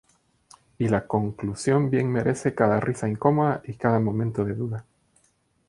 Y la conclusión bien merece cada risa incómoda y cada momento de duda".